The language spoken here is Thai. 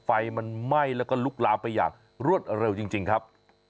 ไฟมันไหม้แล้วก็ลุกลามไปอย่างรวดเร็วจริงครับ